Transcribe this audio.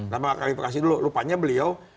nama kualifikasi dulu lupanya beliau